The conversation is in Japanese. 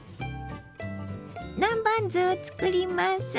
南蛮酢をつくります。